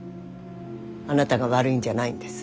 あなたが悪いんじゃないんです。